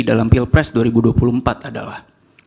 dalam pilpres dua ribu dua puluh empat adalah